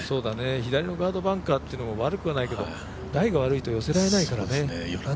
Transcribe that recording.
左のガードバンカーっていうのも悪くはないけどライが悪いと寄せられないからね。